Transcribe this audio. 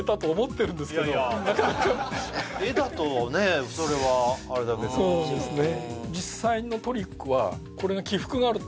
確かに絵だとそれはあれだけどそうですね